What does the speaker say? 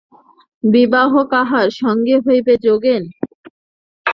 বিবাহ কাহার সঙ্গে হইবে যোগেন?